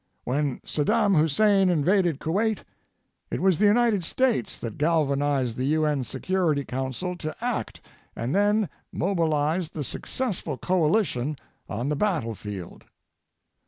When Saddam Hussein invaded Kuwait, it was the United States that galvanized the U.N. Security Council to act and then mobilized the successful coalition on the battlefield.